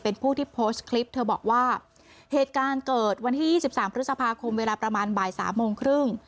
เป็นผู้ที่โพสต์คลิปเธอบอกว่าเหตุการณ์เกิดวันที่๒๓พฤษภาคมเวลาประมาณบ่ายสามโมงครึ่ง